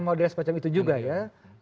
dan modelnya semacam itu juga ya